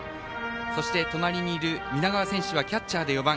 そして隣にいる南川選手はキャッチャーで４番。